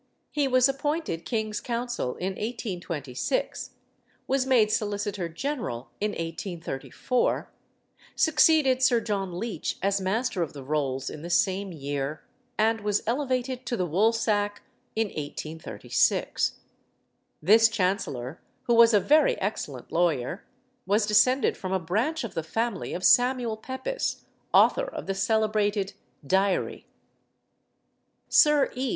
He was appointed King's Counsel in 1826, was made Solicitor General in 1834, succeeded Sir John Leach as Master of the Rolls in the same year, and was elevated to the woolsack in 1836. This Chancellor, who was a very excellent lawyer, was descended from a branch of the family of Samuel Pepys, author of the celebrated Diary. Sir E.